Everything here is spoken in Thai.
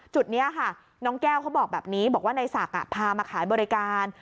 จุดนี้ค่ะน้องแก้วเขาบอกแบบนี้บอกว่าในศักดิ์พามาขายบริการ